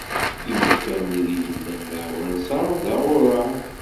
Imukan ideg llan leɛwanser, d aɣurar.